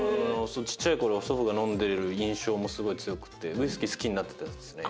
ちっちゃいころ祖父が飲んでいる印象もすごい強くってウイスキー好きになってたですね